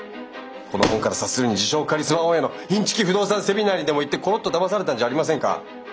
この本から察するに自称カリスマ大家のインチキ不動産セミナーにでも行ってコロッとだまされたんじゃありませんか？